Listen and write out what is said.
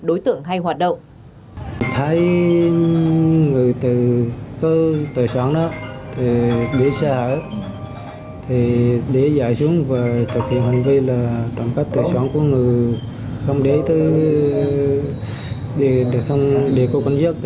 đối tượng hay hoạt động